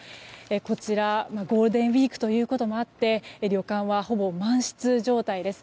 こちら、ゴールデンウィークということもあって旅館はほぼ満室状態です。